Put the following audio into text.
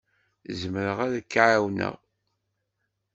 Zemreɣ ad k-ɛawneɣ?